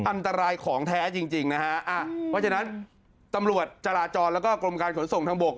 อันตรายของแท้จริงจริงนะฮะเพราะฉะนั้นตำรวจจราจรแล้วก็กรมการขนส่งทางบก